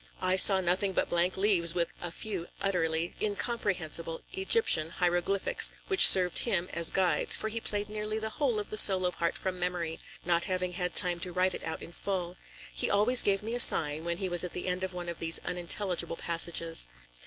"I saw nothing but blank leaves with a few utterly incomprehensible Egyptian hieroglyphics which served him as guides, for he played nearly the whole of the solo part from memory, not having had time to write it out in full; he always gave me a sign, when he was at the end of one of these unintelligible passages."